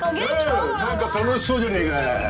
なんか楽しそうじゃねえか。